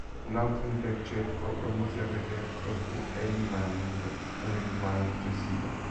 Un altro intercetto lo mise a referto su Eli Manning la settimana successiva.